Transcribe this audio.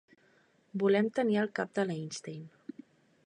Volem tenir el cap de l'Einstein.